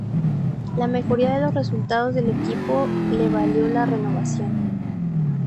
La mejoría de los resultados del equipo le valió la renovación.